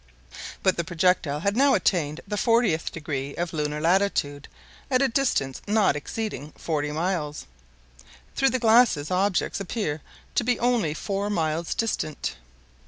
But the projectile had now attained the fortieth degree of lunar latitude, at a distance not exceeding 40 miles. Through the glasses objects appeared to be only four miles distant.